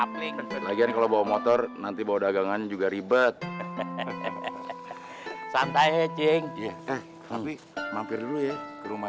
kapling lagi kalau bawa motor nanti bawa dagangan juga ribet santai cing tapi mampir dulu ya rumah